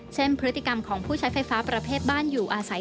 เช่นพฤติกรรมของผู้ใช้ไฟฟ้าประเภทบ้านอยู่อาศัย